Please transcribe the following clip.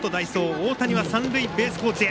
大谷は三塁ベースコーチへ。